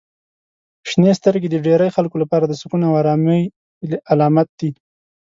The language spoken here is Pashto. • شنې سترګې د ډیری خلکو لپاره د سکون او آرامۍ علامت دي.